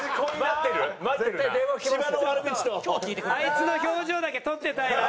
あいつの表情だけ撮っていたいな。